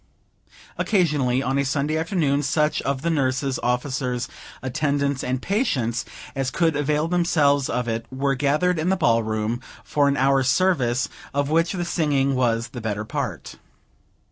Occasionally, on a Sunday afternoon, such of the nurses, officers, attendants, and patients as could avail themselves of it, were gathered in the Ball Room, for an hour's service, of which the singing was the better part.